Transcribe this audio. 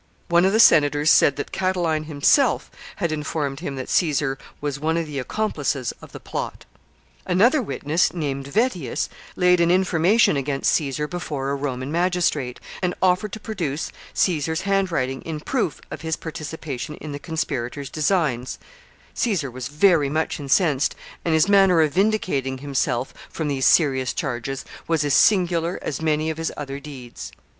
One of the senators said that Catiline himself had informed him that Caesar was one of the accomplices of the plot. Another witness, named Vettius, laid an information against Caesar before a Roman magistrate, and offered to produce Caesar's handwriting in proof of his participation in the conspirator's designs Caesar was very much incensed, and his manner of vindicating himself from these serious charges was as singular as many of his other deeds.